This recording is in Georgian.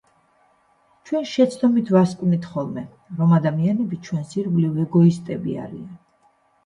ჩვენ შეცდომით ვასკვნით ხოლმე, რომ ადამიანები ჩვენს ირგვლივ ეგოისტები არიან.